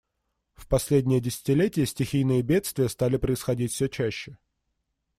В последнее десятилетие стихийные бедствия стали происходить все чаще.